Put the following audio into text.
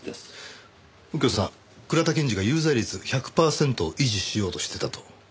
右京さん倉田検事が有罪率１００パーセントを維持しようとしてたと？